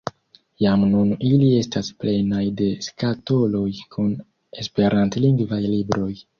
Jam nun ili estas plenaj de skatoloj kun esperantlingvaj libroj.